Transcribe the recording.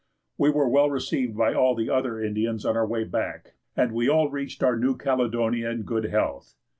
We were well received by all the other Indians on our way back, and we all reached our New Caledonia in good health.